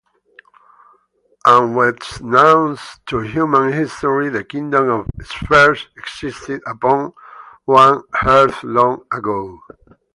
Unbeknownst to human history, the Kingdom of Spheres existed upon our earth long ago.